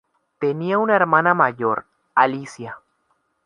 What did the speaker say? Tenía una hermana mayor, Alicia.